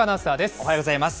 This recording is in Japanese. おはようございます。